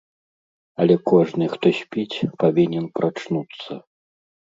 Але кожны, хто спіць, павінен прачнуцца.